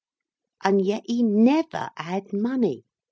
And yet he never had money.